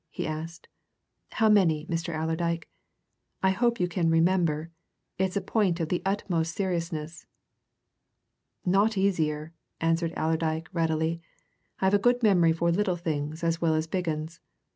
he asked. "How many, Mr. Allerdyke? I hope you can remember? it's a point of the utmost seriousness." "Naught easier," answered Allerdyke readily. "I've a good memory for little things as well as big 'uns.